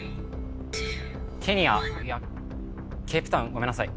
ケニアいやケープタウンごめんなさい